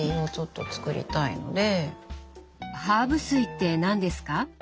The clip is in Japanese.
ハーブ水って何ですか？